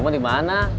kamu di mana